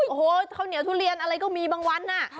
โอ้โหข้าวเหนียวทุเรียนอะไรก็มีบางวันน่ะ